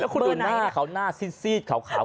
แล้วคุณดูหน้าเขาหน้าซีดเขาขาว